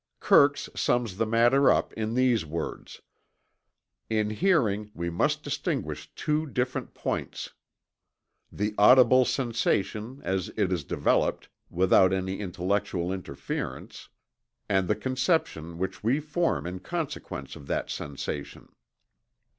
Kirkes sums the matter up in these words: "In hearing we must distinguish two different points the audible sensation as it is developed without any intellectual interference, and the conception which we form in consequence of that sensation."